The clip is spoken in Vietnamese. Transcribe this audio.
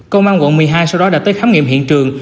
công an quận một mươi hai sau đó đã tới khám nghiệm hiện trường